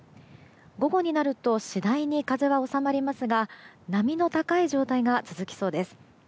午後になると次第に風は収まりますが波の高い状態が続きそうです。